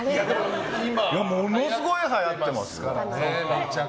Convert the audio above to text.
ものすごいはやってますから。